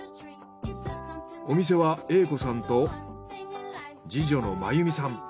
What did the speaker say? お店は榮子さんと次女の麻由美さん。